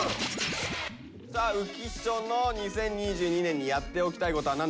さあ浮所の「２０２２年にやっておきたいこと」は何ですか？